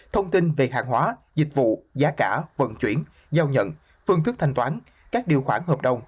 thông tin về hàng hóa dịch vụ giá cả vận chuyển giao nhận phương thức thanh toán các điều khoản hợp đồng